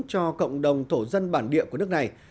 cho cộng đồng thổ dân bản địa của nước này